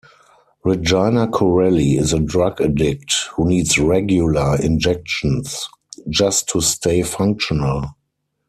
Regina Corelli is a drug addict who needs regular injections just to stay functional.